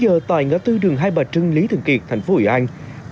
một mươi sáu giờ tại ngã tư đường hai bà trưng lý thường kiệt thành phố hội an